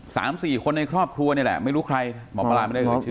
สามสี่คนในครอบครัวนี่แหละไม่รู้ใครหมอปลาไม่ได้รู้ชื่อ